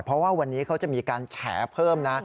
เพราะว่าวันนี้เขาจะมีการแฉเพิ่มนะ